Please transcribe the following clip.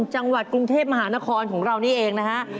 จังหวัดกรุงเทพมหานครของเรานี่เองนะฮะ